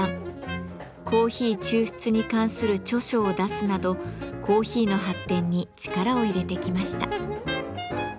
コーヒー抽出に関する著書を出すなどコーヒーの発展に力を入れてきました。